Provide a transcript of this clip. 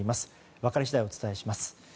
分かり次第、お伝えします。